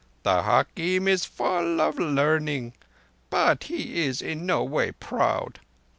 The hakim is full of learning; but he is in no way proud.